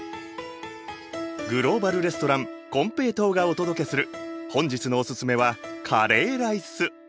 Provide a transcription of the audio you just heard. グローバル・レストランこんぺいとうがお届けする本日のオススメはカレーライス。